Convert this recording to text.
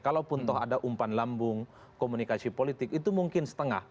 kalaupun toh ada umpan lambung komunikasi politik itu mungkin setengah